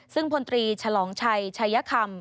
สวัสดีค่ะสวัสดีค่ะ